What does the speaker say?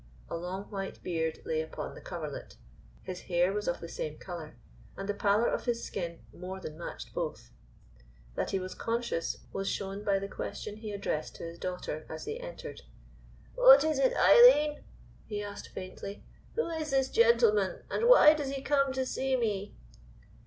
A long white beard lay upon the coverlet, his hair was of the same color, and the pallor of his skin more than matched both. That he was conscious was shown by the question he addressed to his daughter as they entered. "What is it, Eileen?" he asked faintly. "Who is this gentleman, and why does he come to see me?"